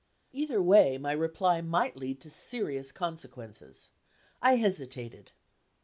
Either way, my reply might lead to serious consequences. I hesitated.